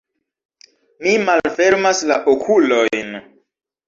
Mi malfermas la okulojn.